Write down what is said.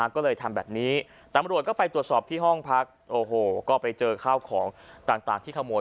ก็เลยทำแบบนี้ตำรวจก็ไปตรวจสอบที่ห้องพักโอ้โหก็ไปเจอข้าวของต่างที่ขโมย